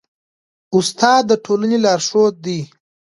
استاد د ټولني لارښود دی.